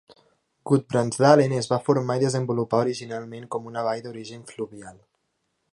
Gudbrandsdalen es va formar i desenvolupar originalment com una vall d'origen fluvial.